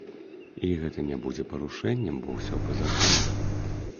І гэта не будзе парушэннем, бо ўсё па законе.